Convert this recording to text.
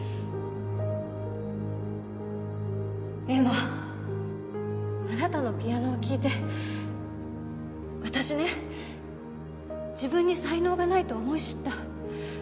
恵麻あなたのピアノを聴いて私ね自分に才能がないと思い知った。